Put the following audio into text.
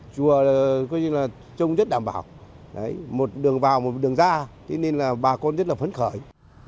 chùa hà trông rất đảm bảo một đường vào một đường ra bà con rất là phấn khởi